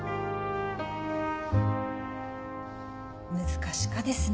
難しかですね。